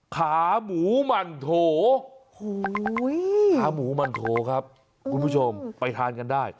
ขาหมูหมั่นโถขาหมูมันโถครับคุณผู้ชมไปทานกันได้